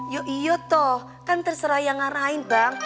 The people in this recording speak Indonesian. yuk iya toh kan terserah yang ngarahin bang